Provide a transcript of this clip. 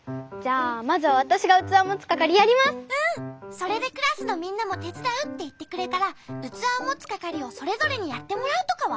それでクラスのみんなもてつだうっていってくれたらうつわをもつかかりをそれぞれにやってもらうとかは？